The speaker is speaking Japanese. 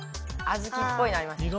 小豆っぽいのありますよ。